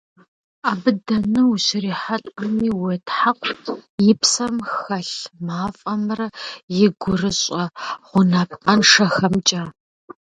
Абы дэнэ ущрихьэлӀэми, уетхьэкъу и псэм хэлъ мафӀэмрэ и гурыщӀэ гъунапкъэншэхэмкӀэ.